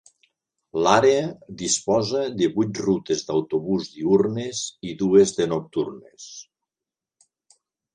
L'àrea disposa de vuit rutes d''autobús diürnes i dues de nocturnes.